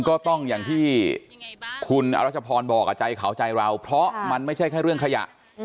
ก็ต้องอย่างที่คุณอรัชพรบอกใจเขาใจเราเพราะมันไม่ใช่แค่เรื่องขยะ